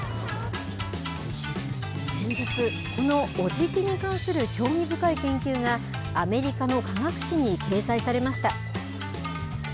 先日、このおじぎに関する興味深い研究がアメリカの科学誌に掲載されました。